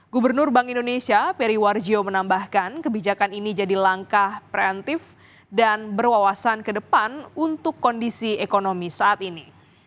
gubernur bank indonesia periwarjo menambahkan kebijakan ini jadi langkah preventif dan berwawasan ke depan untuk kondisi ekonomi saat ini